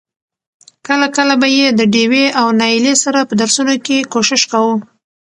کله کله به يې د ډېوې او نايلې سره په درسونو کې کوشش کاوه.